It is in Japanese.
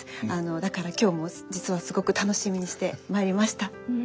だから今日も実はすごく楽しみにして参りました。